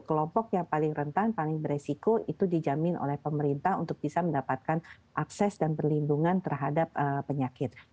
vaksin yang berlaku di dalam usia dua belas tahun itu bisa dijamin oleh pemerintah untuk bisa mendapatkan akses dan perlindungan terhadap penyakit